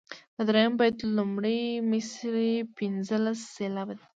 د دریم بیت لومړۍ مصرع پنځلس سېلابه ده.